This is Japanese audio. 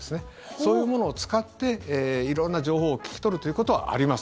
そういう者を使って色んな情報を聞き取るということはあります。